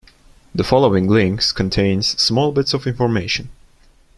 The following links contains small bits of information.